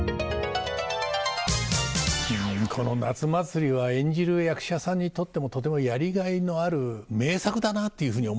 この「夏祭」は演じる役者さんにとってもとてもやりがいのある名作だなっていうふうに思いますね。